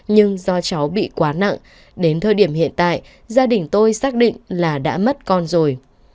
nhưng do cháu bị quá nặng đến thời điểm hiện tại gia đình tôi xác định là đã mất con rồi